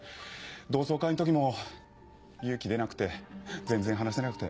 同窓会の時も勇気出なくて全然話せなくて。